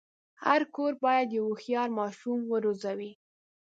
هر کور باید یو هوښیار ماشوم وروزي.